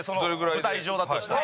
舞台上だとしたら。